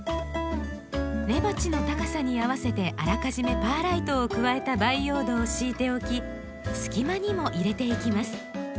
根鉢の高さに合わせてあらかじめパーライトを加えた培養土を敷いておき隙間にも入れていきます。